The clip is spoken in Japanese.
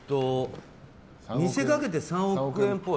見せかけて３億円っぽい。